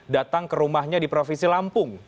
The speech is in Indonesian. datang ke rumahnya di provinsi lampung